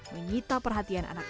menyita perhatian anak anak